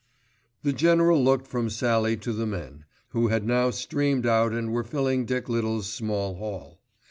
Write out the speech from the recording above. The General looked from Sallie to the men, who had now streamed out and were filling Dick Little's small hall.